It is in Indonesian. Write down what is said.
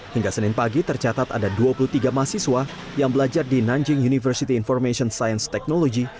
hingga senin pagi tercatat ada dua puluh tiga mahasiswa yang belajar di nanjing university information science technology